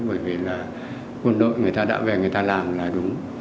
bởi vì là quân đội người ta đã về người ta làm là đúng